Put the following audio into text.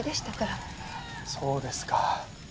そうですか。